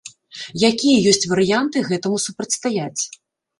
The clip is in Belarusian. Якія ёсць варыянты гэтаму супрацьстаяць?